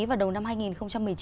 vào đầu năm hai nghìn một mươi chín